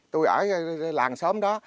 tôi ở làng xóm đó